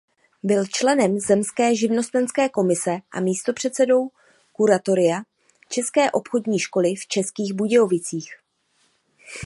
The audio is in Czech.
Byl členem zemské živnostenské komise a místopředsedou kuratoria české obchodní školy v Českých Budějovicích.